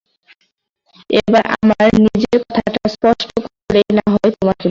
এবার আমার নিজের কথাটা স্পষ্ট করেই না-হয় তোমাকে বলি।